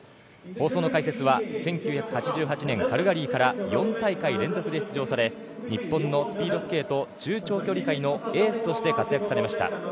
放送の解説は１９８８年カルガリーから４大会連続で出場され日本のスピードスケート中長距離界のエースとして活躍されました